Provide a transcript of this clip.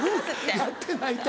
やってないって！